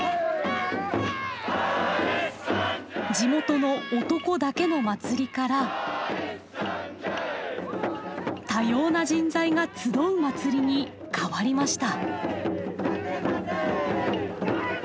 地元の男だけの祭りから多様な人材が集う祭りに変わりました。